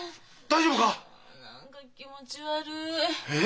何か気持ち悪い。